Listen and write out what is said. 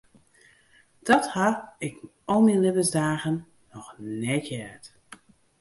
Dat ha ik al myn libbensdagen noch net heard.